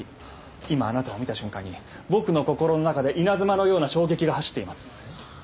今あなたを見た瞬間に僕の心の中で稲妻のような衝撃が走っています。